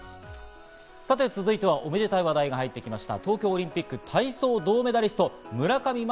さて、続いてはおめでたい話題が入ってきました。